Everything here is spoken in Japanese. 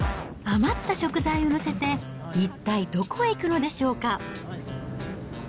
余った食材を載せて一体どこへ行くのでしょうか？